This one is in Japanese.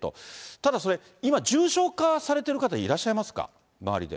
ただそれ、今、重症化されている方、いらっしゃいますか、周りで。